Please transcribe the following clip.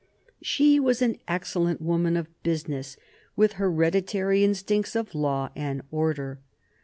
She was an excellent woman of business, with hereditary instincts of law and order.